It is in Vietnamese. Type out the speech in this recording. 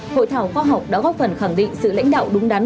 hội thảo khoa học đã góp phần khẳng định sự tiến hành của bộ công an